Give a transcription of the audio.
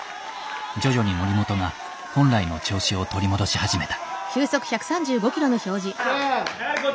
徐々に森本が本来の調子を取り戻し始めた。